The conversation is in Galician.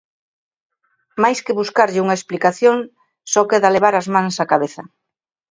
Máis que buscarlle unha explicación, só queda levar as mans á cabeza.